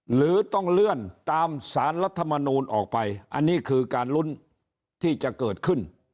หรือต้องเลื่อนตามสารรัฐมนูลออกไปอันนี้คือการลุ้นที่จะเกิดขึ้น